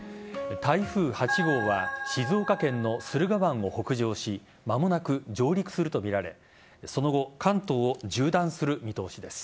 台風８号は静岡県の駿河湾を北上し間もなく上陸するとみられその後関東を縦断する見通しです。